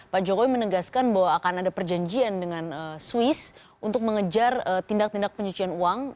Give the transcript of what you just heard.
pak jokowi menegaskan bahwa akan ada perjanjian dengan swiss untuk mengejar tindak tindak pencucian uang